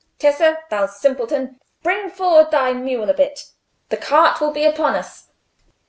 "Tessa, thou simpleton, bring forward thy mule a bit: the cart will be upon us."